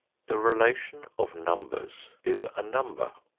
The relation of numbers is a number.